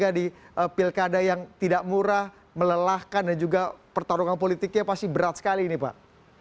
karena di pilkada yang tidak murah melelahkan dan juga pertarungan politiknya pasti berat sekali pak